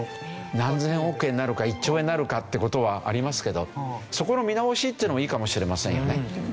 何千億円になるか１兆円になるかって事はありますけどそこの見直しっていうのもいいかもしれませんよね。